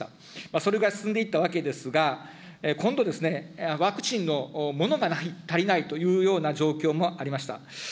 それぐらい進んでいったわけでございますが、今度、ワクチンのものがない、足りないというような状況もありました。